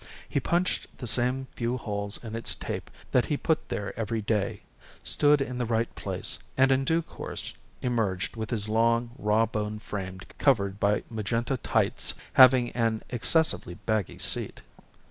He punched the same few holes in its tape that he put there every day, stood in the right place, and in due course emerged with his long, rawboned frame covered by magenta tights having an excessively baggy seat.